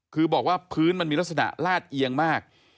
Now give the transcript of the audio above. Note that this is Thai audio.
คือบอกว่าพื้นมันมีลักษณะลาดเอียงมาก